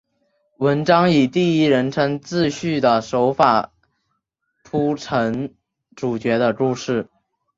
文章以第一人称自叙的手法铺陈主角的故事。